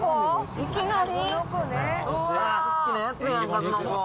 いきなり？